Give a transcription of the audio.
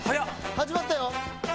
始まったよ！